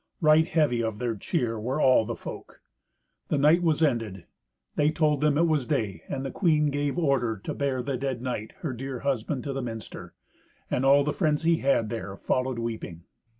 Right heavy of their cheer were all the folk. The night was ended. They told them it was day, and the queen gave order to bear the dead knight, her dear husband, to the minster; and all the friends he had there followed weeping.